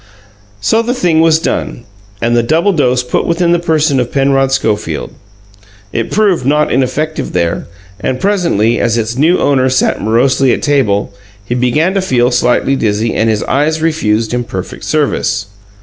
So the thing was done, and the double dose put within the person of Penrod Schofield. It proved not ineffective there, and presently, as its new owner sat morosely at table, he began to feel slightly dizzy and his eyes refused him perfect service.